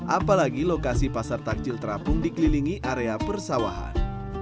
apalagi lokasi pasar takjil terapung dikelilingi area persawahan